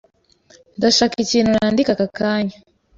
Ndashaka ikintu nandika aka kanya.